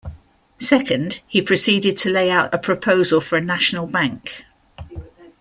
Second, he proceeded to lay out a proposal for a National Bank.